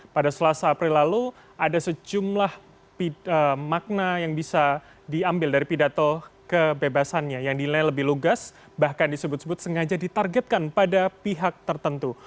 pada selasa april lalu ada sejumlah makna yang bisa diambil dari pidato kebebasannya yang dinilai lebih lugas bahkan disebut sebut sengaja ditargetkan pada pihak tertentu